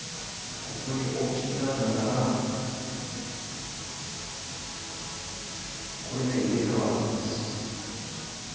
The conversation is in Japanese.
ここに置きながらこれが入れ代わるんです。